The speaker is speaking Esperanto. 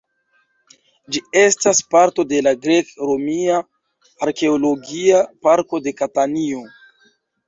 Ĝi estas parto de la Grek-Romia Arkeologia Parko de Katanio.